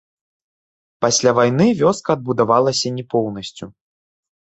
Пасля вайны вёска адбудавалася не поўнасцю.